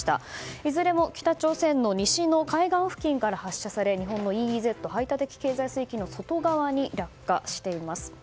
いずれも北朝鮮の西の海岸付近から発射され日本のＥＥＺ・排他的経済水域の外側に落下しています。